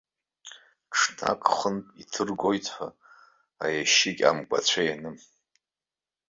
Ҽнак хынтә иҭыргоит ҳәа аиашьыкь амгәацәа ианын.